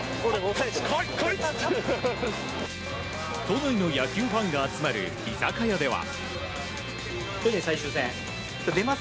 都内の野球ファンが集まる居酒屋では。